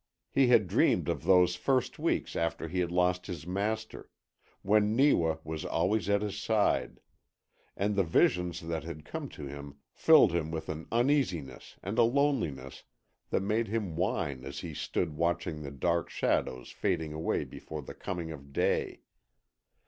He had dreamed of those first weeks after he had lost his master, when Neewa was always at his side; and the visions that had come to him filled him with an uneasiness and a loneliness that made him whine as he stood watching the dark shadows fading away before the coming of day.